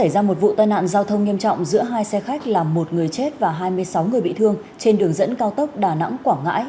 giữa hai xe khách là một người chết và hai mươi sáu người bị thương trên đường dẫn cao tốc đà nẵng quảng ngãi